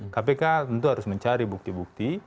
kpk tentu harus mencari bukti bukti